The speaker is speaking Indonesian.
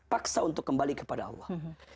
paksa untuk kembali kepada allah